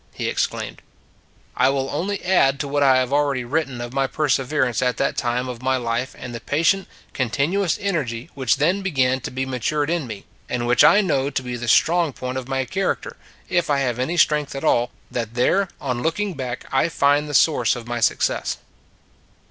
[he exclaimed]. I will only add to what I have already written of my perseverance at that time of my life and the patient, continuous energy which then began to be matured in me, and which I know to be the strong point of my character, if I have any strength at all, that there, on looking back, I find the source of my success.